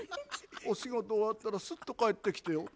お仕事終わったらすっと帰ってきてよ。